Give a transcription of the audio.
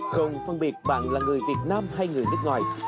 không phân biệt bạn là người việt nam hay người nước ngoài